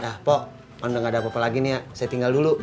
nah po kalau udah gak ada apa apa lagi nih ya saya tinggal dulu